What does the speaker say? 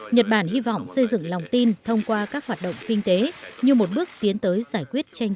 nhật bản hy vọng xây dựng lòng tin thông qua các hoạt động kinh tế như một bước tiến tới giải quyết